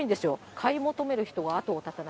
買い求める人が後を絶たない。